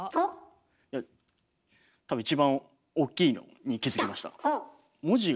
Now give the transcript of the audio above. いや多分一番おっきいのに気付きました。